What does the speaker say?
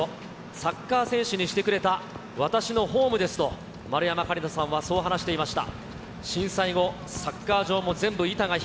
サッカー選手にしてくれた、私のホームですと、丸山桂里奈さんはそう話していました。